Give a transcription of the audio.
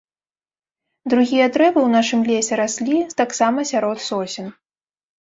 Другія дрэвы ў нашым лесе раслі таксама сярод сосен.